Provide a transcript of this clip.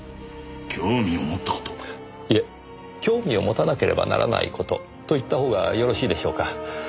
いえ興味を持たなければならない事と言った方がよろしいでしょうか。